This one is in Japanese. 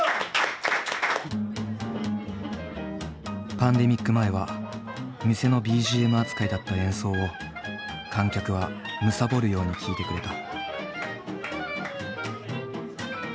パンデミック前は店のＢＧＭ扱いだった演奏を観客は貪るように聴いてくれた。